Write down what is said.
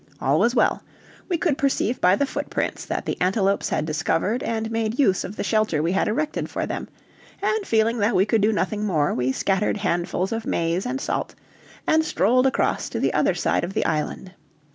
All was well; we could perceive by the footprints that the antelopes had discovered and made use of the shelter we had erected for them, and feeling that we could do nothing more we scattered handfuls of maize and salt, and strolled across to the other side of the island.